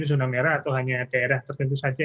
zona merah atau hanya daerah tertentu saja